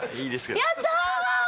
やった！